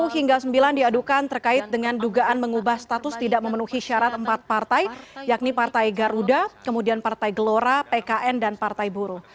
sepuluh hingga sembilan diadukan terkait dengan dugaan mengubah status tidak memenuhi syarat empat partai yakni partai garuda kemudian partai gelora pkn dan partai buruh